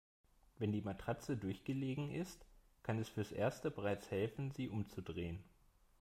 Wenn die Matratze durchgelegen ist, kann es fürs Erste bereits helfen, sie umzudrehen.